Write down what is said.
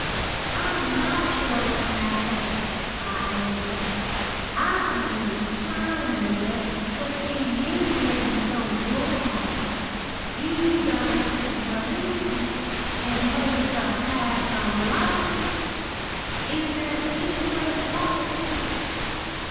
"'I'm not chortling at that,' I answered, 'I'm merely smiling a bit to see you getting so warm. You'd better listen to reason and leave the past alone. Is there any way out of this?